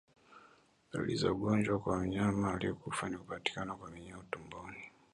Dalili za ugonjwa kwa mnyama aliyekufa ni kupatikana kwa minyoo tumboni